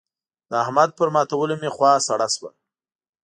د احمد پر ماتولو مې خوا سړه شوه.